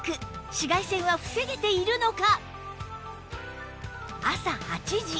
紫外線は防げているのか？